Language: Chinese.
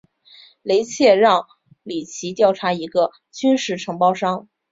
雷彻让里奇调查一个军事承包商。